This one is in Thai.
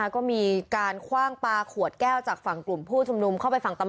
ก็มีการคว่างปลาขวดแก้วจากฝั่งกลุ่มผู้ชุมนุมเข้าไปฝั่งตำรวจ